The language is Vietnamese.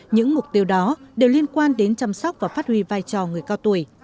những mục tiêu đó đều liên quan đến chăm sóc và phát huy vai trò người cao tuổi